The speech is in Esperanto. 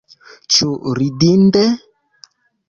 Ĉu ridinde?